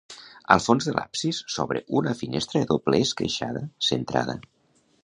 Al fons de l'absis s'obre una finestra de doble esqueixada, centrada.